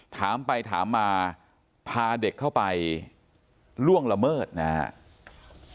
ถามไปถามมาพาเด็กเข้าไปล่วงละเมิดนะครับ